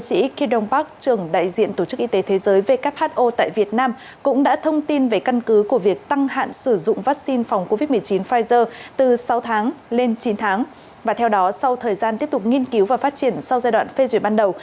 sau thời gian tiếp tục nghiên cứu và phát triển sau giai đoạn phê duyệt ban đầu